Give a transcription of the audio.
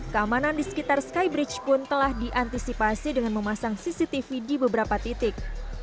keamanan di sekitar skybridge pun telah diantisipasi dengan memasang cctv di beberapa titik